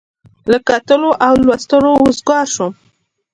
له کتلو او لوستلو وزګار شوم.